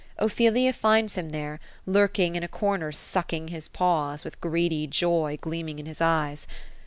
Ophelia finds him there, lurking in a comer sucking his paws, with greedy joy gleaming in his eyes.